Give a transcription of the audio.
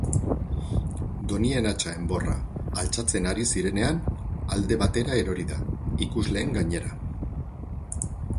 Donien-atxa enborra altxatzen ari zirenean, alde batera erori da, ikusleen gainera.